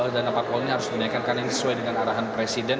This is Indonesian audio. dana parpol ini harus dinaikkan karena ini sesuai dengan arahan presiden